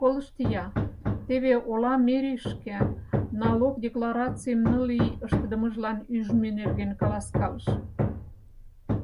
Колышт-я, теве ола мэрийышке налог декларацийым ныл ий ыштыдымыжлан ӱжмӧ нерген каласкалыш.